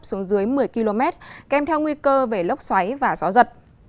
xuống dưới một mươi km kèm theo nguy cơ về lốc xoáy và gió giật